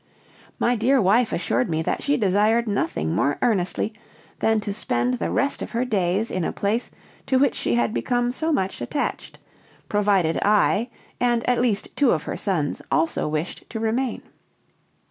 My dear wife assured me that she desired nothing more earnestly than to spend the rest of her days in a place to which she had become so much attached, provided I, and at least two of her sons, also wished to remain.